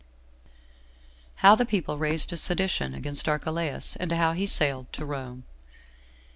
How The People Raised A Sedition Against Archelaus, And How He Sailed To Rome.